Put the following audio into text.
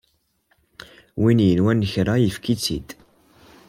Win yenwan kra yefk-it-id!